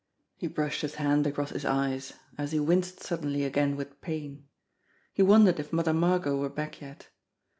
He brushed his hand across his eyes, as he winced sud denly again with pain. He wondered if Mother Margot were back yet.